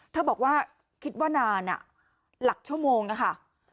บอกว่าคิดว่านานหลักชั่วโมงอะค่ะ